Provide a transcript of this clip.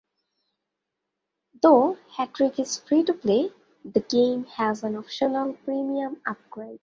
Though "Hattrick" is free to play, the game has an optional, premium upgrade.